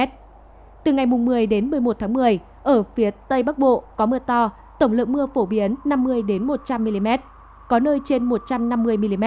từ ngày một mươi một mươi một tháng một mươi ở phía tây bắc bộ có mưa to tổng lượng mưa phổ biến năm mươi một trăm linh mm có nơi trên một trăm năm mươi mm